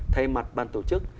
thay mặt ban tổ chức